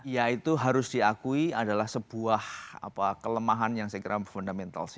ya itu harus diakui adalah sebuah kelemahan yang saya kira fundamental sih